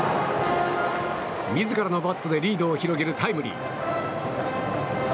自らのバットでリードを広げるタイムリー。